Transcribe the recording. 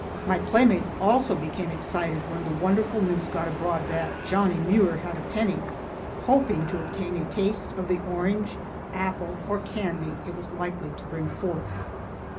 My playmates also became excited when the wonderful news got abroad that Johnnie Muir had a penny, hoping to obtain a taste of the orange, apple, or candy it was likely to bring forth.